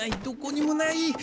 どこにもない！